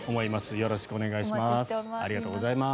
よろしくお願いします。